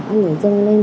ăn để dâng lên